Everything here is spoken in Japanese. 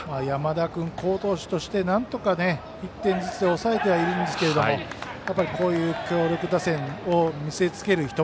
山田君好投手としてなんとか１点ずつで抑えていてはいるんですがやはりこういった強力打線を見せ付ける